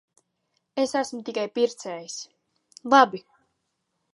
Es esmu tikai pircējs. Labi.